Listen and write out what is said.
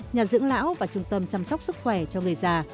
nhà dưỡng lão và trung tâm chăm sóc sức khỏe cho người già